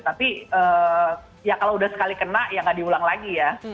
tapi ya kalau udah sekali kena ya nggak diulang lagi ya